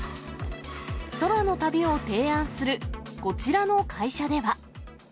空の旅を提案するこちらの会社では。